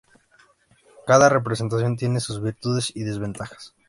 Cada representación tiene sus virtudes y desventajas.